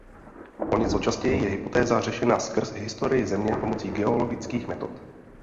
O něco častěji je hypotéza řešena skrz historii Země pomocí geologických metod.